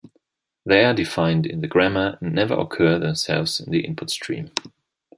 They are defined in the grammar and never occur themselves in the input stream.